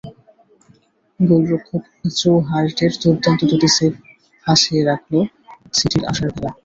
গোলরক্ষক জো হার্টের দুর্দান্ত দুটি সেভ ভাসিয়ে রাখল সিটির আশার ভেলা।